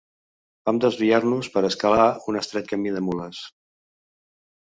Vam desviar-nos per escalar un estret camí de mules